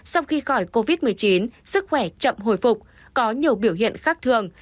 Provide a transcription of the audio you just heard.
sau khi khỏi covid một mươi chín sức khỏe chậm hồi phục có nhiều biểu hiện khác thường